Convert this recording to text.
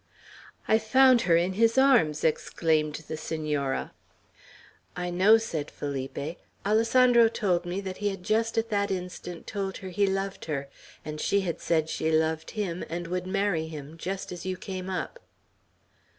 "I found her in his arms!" exclaimed the Senora. "I know," said Felipe; "Alessandro told me that he had just at that instant told her he loved her, and she had said she loved him, and would marry him, just as you came up."